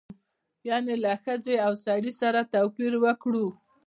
یعنې له ښځې او سړي سره توپیر وکړو.